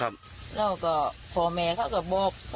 แล้วก็พ่อแม่เขาก็บอก